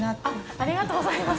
ありがとうございます！